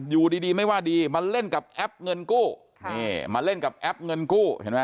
อยู่ดีไม่ว่าดีมาเล่นกับแอปเงินกู้